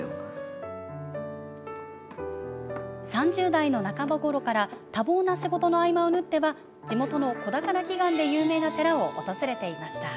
３０代の半ばごろから多忙な仕事の合間を縫っては地元の子宝祈願で有名な寺を訪れていました。